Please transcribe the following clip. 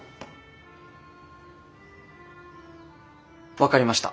分かりました。